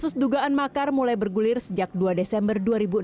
dan pemufakan makar mulai bergulir sejak dua desember dua ribu enam belas